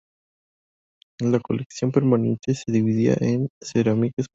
La colección permanente se dividía en: cerámica española, cerámica extranjera y cerámica contemporánea.